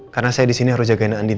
karena saya disini harus jagain andin